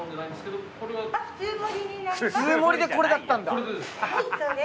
普通盛りでこれだったんだ。